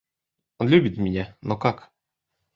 Он любит меня — но как?